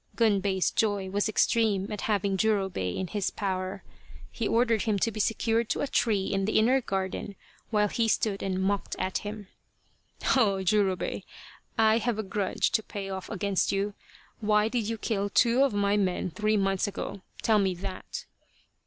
Gunbei's joy was extreme at having Jurobei in his power. He ordered him to be secured to a tree in the inner garden while he stood and mocked at him. " Ho, Jurobei ! I have a grudge to pay off against you. Why did you kill two of my men three months ago tell me that